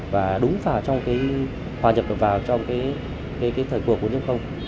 và đúng vào trong cái hòa nhập được vào trong cái thời cuộc của nước không